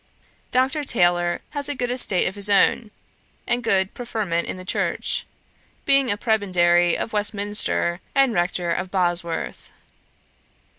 Dr. Taylor had a good estate of his own, and good preferment in the church, being a prebendary of Westminster, and rector of Bosworth.